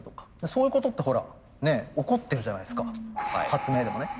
そういうことってほらね起こってるじゃないですか発明でもね。